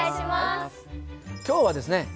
今日はですね